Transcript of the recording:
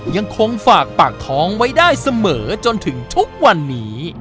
ยังคงฝากปากท้องไว้ได้เสมอจนถึงทุกวันนี้